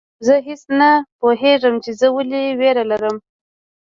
او زه هیڅ نه پوهیږم چي زه ولي ویره لرم